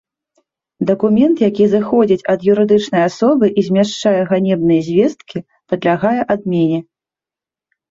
Дакумент, які зыходзіць ад юрыдычнай асобы і змяшчае ганебныя звесткі, падлягае адмене.